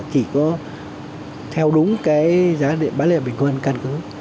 chỉ có theo đúng cái giá điện bán lẻ bình quân căn cứ